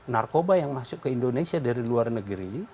narkoba yang masuk ke indonesia dari luar negeri